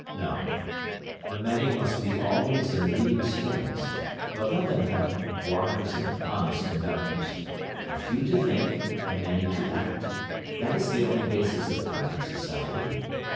No. The many must be always in leading strings; but let them have wise and honest conductors. A few to think, and many to act; that is the only basis of perfect society.